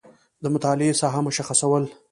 د مطالعې ساحه مشخصول